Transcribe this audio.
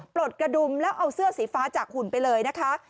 ปลดกระดุมแล้วเอาเสื้อสีฟ้าจากหุ่นไปเลยนะคะ